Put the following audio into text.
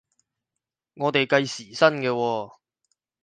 我哋計時薪嘅喎？